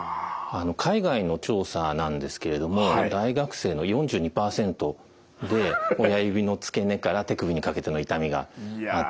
海外の調査なんですけれども大学生の４２％で親指の付け根から手首にかけての痛みがあったというような調査がありますね。